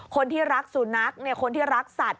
คนที่รักสุนัขคนที่รักสัตว